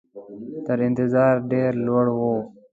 تر انتظار ډېر لوړ وو.